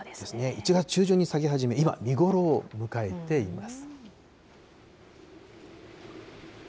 １月中旬に咲き始め、今、見頃を迎えています。